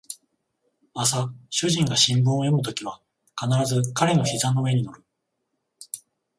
朝主人が新聞を読むときは必ず彼の膝の上に乗る